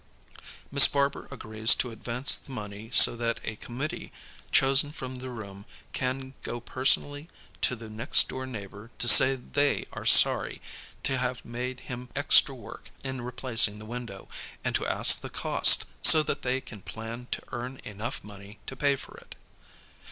Miss Barber agrees to advance the money so that a committee chosen from the room can go personally to the next door neighbor to say they are sorry to have made him extra work in replacing the window, and to ask the cost so that they can plan to earn enough money to pay for it.